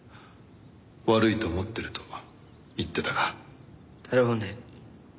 悪いと思ってると言ってたが。だろうね。